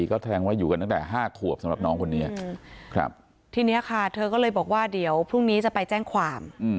ก็แสดงว่าอยู่กันตั้งแต่๕ขวบสำหรับน้องคนนี้ครับทีนี้ค่ะเธอก็เลยบอกว่าเดี๋ยวพรุ่งนี้จะไปแจ้งความ